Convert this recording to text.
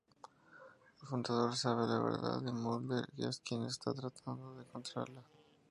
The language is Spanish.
El Fumador sabe la verdad, y Mulder es quien está tratando de encontrarla.